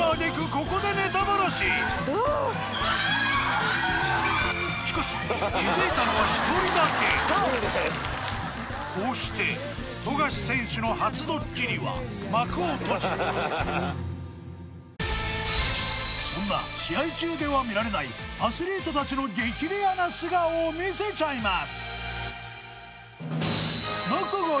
ここでしかしだけこうして富樫選手の初ドッキリは幕を閉じたそんな試合中では見られないアスリートたちの激レアな素顔を見せちゃいます